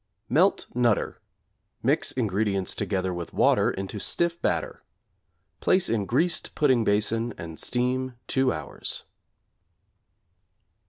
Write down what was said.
Melt 'Nutter,' mix ingredients together with water into stiff batter; place in greased pudding basin and steam 2 hours.